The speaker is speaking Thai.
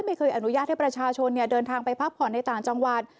ไม่เคยอนุญาตให้ประชาชนเดินทางไปพักผ่อนในต่างจังหวัด